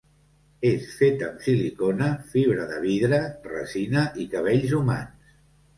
És fet amb silicona, fibra de vidre, resina i cabells humans.